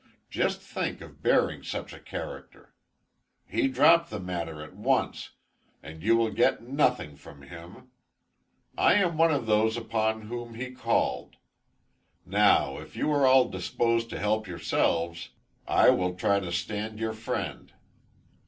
Just think of bearing such a character! He dropped the matter at once, and you will get nothing from him. I am one of those upon whom he called. Now, if you are all disposed to help yourselves, I will try to stand your friend.